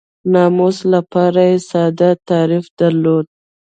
ناموس لپاره یې ساده تعریف درلود.